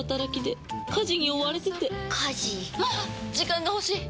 時間が欲しい！